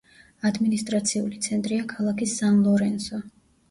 ადმინისტრაციული ცენტრია ქალაქი სან-ლორენსო.